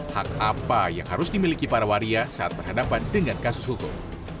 hak apa yang harus dimiliki para waria saat berhadapan dengan kasus hukum